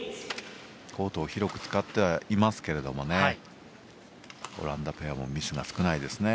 コートを広く使ってはいますけどねオランダペアもミスが少ないですね。